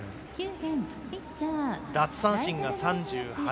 奪三振が３８。